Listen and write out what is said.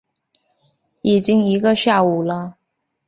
已经一个下午了